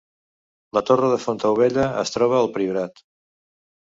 La torre de Fontaubella es troba al Priorat